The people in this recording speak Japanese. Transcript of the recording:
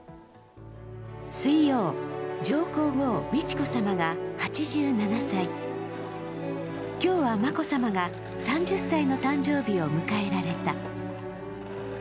水曜、上皇后・美智子さまが８７歳、今日は、眞子さまが３０歳の誕生日を迎えられた。